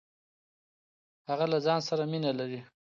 هغه له ځان سره مينه لري.